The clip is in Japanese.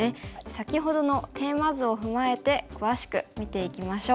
先ほどのテーマ図を踏まえて詳しく見ていきましょう。